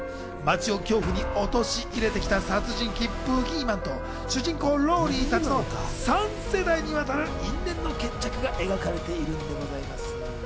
街を恐怖に陥れてきた、殺人鬼・ブギーマンと、主人公・ローリーたちの３世代にわたる因縁の決着が描かれているんでございます。